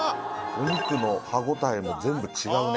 お肉の歯応えも全部違うね。